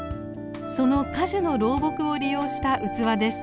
その果樹の老木を利用した器です。